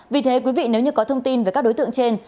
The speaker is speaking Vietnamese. vì thế quý vị nếu như có thông tin về các đối tượng trên